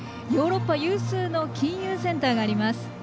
ヨーロッパ有数の金融センターがあります。